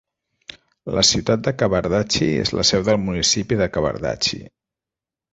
La ciutat de Kavadarci és la seu del municipi de Kavadarci.